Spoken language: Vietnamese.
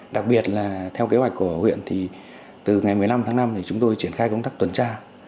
đặc biệt là theo kế hoạch của huyện thì từ ngày một mươi năm tháng năm thì chúng tôi triển khai công tác tuần tra